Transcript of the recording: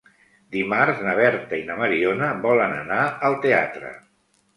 Dimarts na Berta i na Mariona volen anar al teatre.